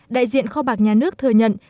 đại diện kho bạc nhà nước thừa nhận